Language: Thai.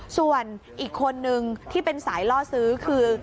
ส่วนอีกคนนึงที่เป็นสายล่อซื้อคือ